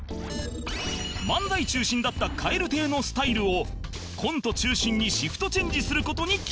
漫才中心だった蛙亭のスタイルをコント中心にシフトチェンジする事に決めた